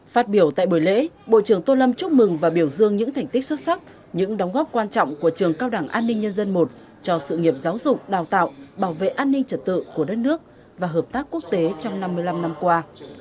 phát biểu tại buổi lễ bộ trưởng tô lâm chúc mừng và biểu dương những thành tích xuất sắc những đóng góp quan trọng của trường cao đẳng an ninh nhân dân i cho sự nghiệp giáo dục đào tạo bảo vệ an ninh trật tự của đất nước và hợp tác quốc tế trong năm mươi năm năm qua